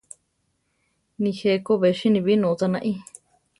Nijé Ko be siníbi nócha naí.